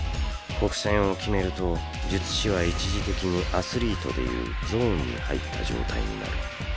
「黒閃」をきめると術師は一時的にアスリートで言うゾーンに入った状態になる。